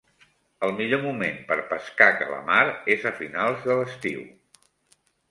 El millor moment per pescar calamar és a finals de l'estiu.